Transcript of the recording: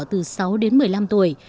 từ sáu đến một mươi năm tuổi